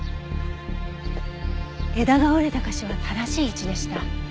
枝が折れた箇所は正しい位置でした。